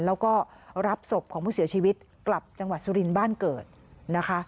แล้วก็รับศพของผู้เสียชีวิตกลับจังหวัดสุรินทร์บ้านเกิดนะคะ